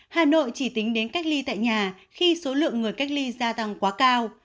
hà nội chỉ tính đến cách ly tại nhà khi số lượng người cách ly gia tăng quá cao